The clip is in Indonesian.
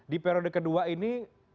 di periode kedua ini